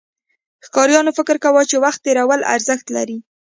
ښکاریانو فکر کاوه، چې وخت تېرول ارزښت لري.